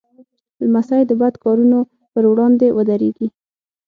لمسی د بد کارونو پر وړاندې ودریږي.